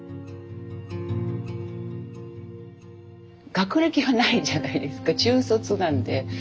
学歴がないじゃないですか中卒なんで。